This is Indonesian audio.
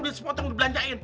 duit sepotong dibelanjain